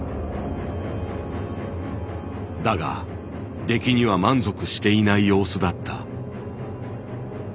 だが出来には満足していない様子だった。